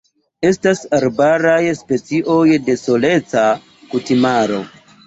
Estas arbaraj specioj de soleca kutimaro.